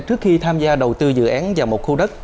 trước khi tham gia đầu tư dự án vào một khu đất